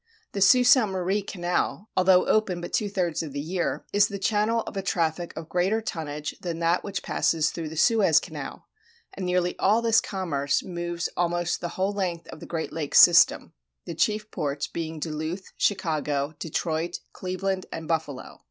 The Sault Ste. Marie Canal, although open but two thirds of the year, is the channel of a traffic of greater tonnage than that which passes through the Suez Canal, and nearly all this commerce moves almost the whole length of the Great Lakes system; the chief ports being Duluth, Chicago, Detroit, Cleveland, and Buffalo.